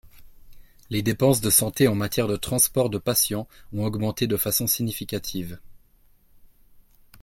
Les dépenses de santé en matière de transport de patients ont augmenté de façon significative.